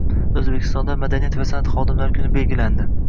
O‘zbekistonda madaniyat va san’at xodimlari kuni belgilandi